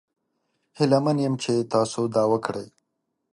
هیله من یم چې تاسو دا وکړي.